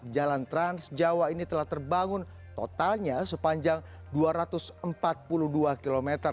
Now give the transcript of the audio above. jalan trans jawa ini telah terbangun totalnya sepanjang dua ratus empat puluh dua km